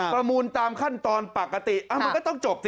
ประมูลตามขั้นตอนปกติมันก็ต้องจบสิ